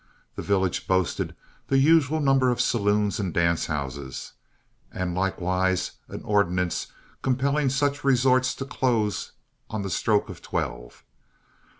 The village boasted the usual number of saloons and dance houses, and likewise an ordinance compelling such resorts to close on the stroke of twelve.